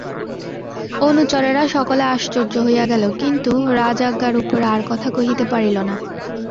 অনুচরেরা সকলে আশ্চর্য হইয়া গেল, কিন্তু রাজাজ্ঞার উপরে আর কথা কহিতে পারিল না।